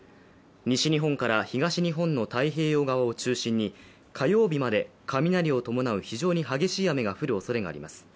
西日本から東日本の太平洋側を中心に火曜日まで雷を伴う非常に激しい雨が降るおそれがあります。